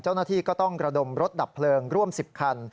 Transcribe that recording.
เจ้าหน้าที่ก็ต้องระดมรถดับเพลิงร่วม๑๐คัน